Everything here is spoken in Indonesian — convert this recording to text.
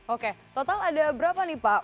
oke total ada berapa nih pak